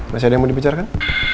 masih ada yang mau dibicarakan